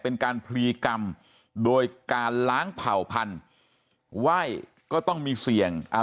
เป็นการพลีกรรมโดยการล้างเผ่าพันธุ์ไหว้ก็ต้องมีเสี่ยงอ่า